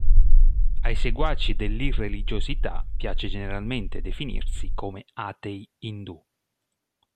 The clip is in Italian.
Ai seguaci dell'irreligiosità piace generalmente definirsi come "atei indù".